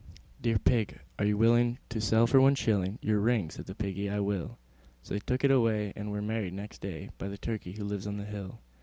III. "Dear Pig, are you willing to sell for one shilling Your ring?" Said the Piggy, "I will." So they took it away, and were married next day By the Turkey who lives on the hill.